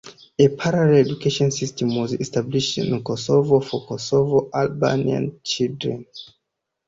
A parallel educational system was established in Kosovo for Kosovo Albanian children.